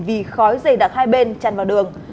vì khói dây đặc hai bên chăn vào đường